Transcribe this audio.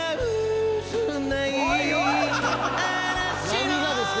何がですか？